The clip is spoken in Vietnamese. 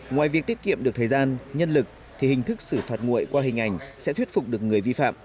ngoài việc tiết kiệm được thời gian nhân lực thì hình thức xử phạt nguội qua hình ảnh sẽ thuyết phục được người vi phạm